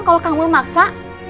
kalau kang mul maksa